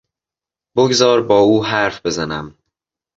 بگذار با او حرف بزنم.